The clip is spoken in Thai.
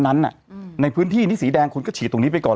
นั้นในพื้นที่นี้สีแดงคุณก็ฉีดตรงนี้ไปก่อน